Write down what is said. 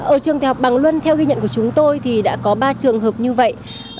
ở trường đại học bằng luân theo ghi nhận của chúng tôi thì đã có ba trường hợp như vậy